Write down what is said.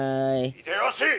「秀吉！